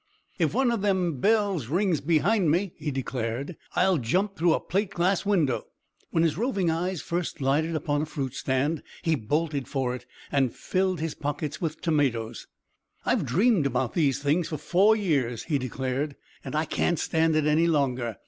"If one of them bells rings behind me," he declared, "I'll jump through a plate glass window." When his roving eyes first lighted upon a fruit stand he bolted for it and filled his pockets with tomatoes. "I've dreamed about these things for four years," he declared, "and I can't stand it any longer."